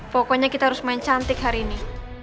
pokoknya kita harus main cantik hari ini